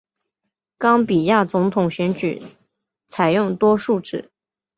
冈比亚总统选举采用多数制。